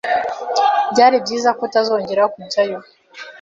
Byari byiza ko utazongera kujyayo.